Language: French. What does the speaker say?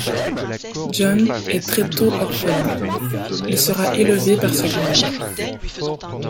John est très tôt orphelin, il sera élevé par sa grand-mère.